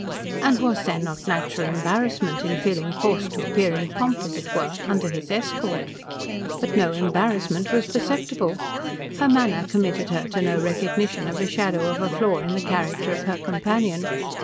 and was there not natural embarrassment in feeling forced to appear in pomp, as it were, under his escort? But no embarrassment was perceptible. Her manner committed her to no recognition of a shadow of a flaw in the character of her companion.